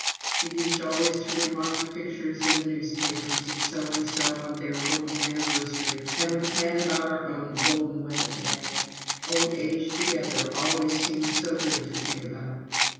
We used always to remark pictures in the newspapers, of So and so on their "golden anniversary," and would plan about our own "golden wedding day" old age together always seemed so good to think about.